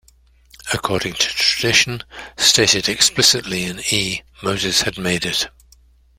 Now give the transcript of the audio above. According to tradition, stated explicitly in E, Moses had made it.